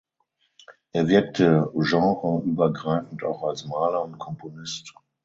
Er wirkte genreübergreifend auch als Maler und Komponist.